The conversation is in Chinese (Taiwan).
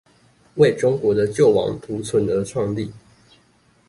為中國的救亡圖存而創立